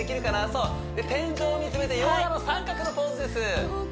そう天井を見つめてヨガの三角のポーズです